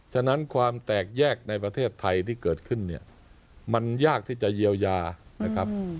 ฉะนั้นความแตกแยกในประเทศไทยที่เกิดขึ้นเนี่ยมันยากที่จะเยียวยานะครับ